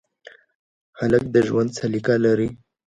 هلک د ژوند سلیقه لري.